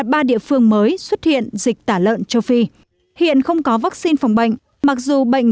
ba địa phương mới xuất hiện dịch tả lợn châu phi hiện không có vaccine phòng bệnh mặc dù bệnh